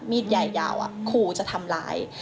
มีดใหญ่ยาวอะคู่จะทำร้าย